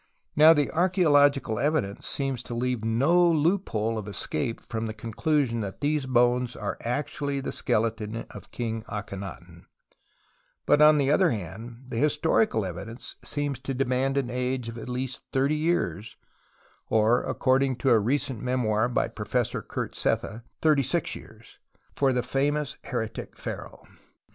Xow the archaeological evidence seems to leave no loophole of escape from the con clusion that tliese bones are actually the skeleton of King Akhenaton ; but, on the other hand, the historical evidence seems to demand an age of at least thirty years (or, according to a recent memoir by Professor Kurt Sethe, thirty six years) for the famous heretic pharaoh.